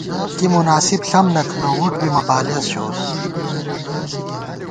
کی مناسِب ݪم نہ تھنہ وُٹ بی مہ بالېس ژَوُس